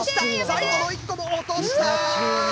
最後の１個も落とした！